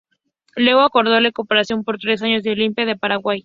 Luego acordó la incorporación por tres años al Olimpia de Paraguay.